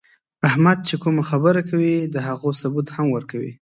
احمد چې کومه خبره کوي، د هغو ثبوت هم ورکوي.